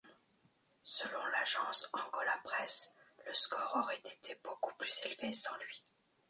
Selon l'Agence Angola Press, le score aurait été beaucoup plus élevé sans lui.